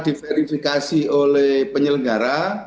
diverifikasi oleh penyelenggara